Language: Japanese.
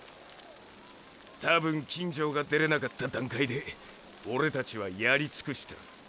多分金城が出れなかった段階でオレたちはやり尽くしてる。